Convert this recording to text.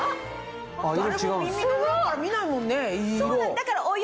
誰も耳の裏から見ないもんね色。